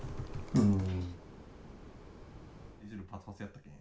うん。